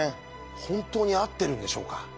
本当に合ってるんでしょうか？